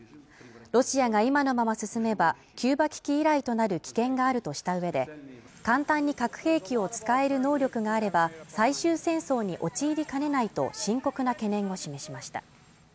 ロシアが今のまま進めばキューバ危機以来となる危険があるとしたうえで簡単に核兵器を使える能力があれば最終戦争に陥りかねないと深刻な懸念を示しました